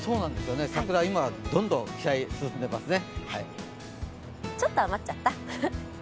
桜、今、どんどん北へ進んでいますね。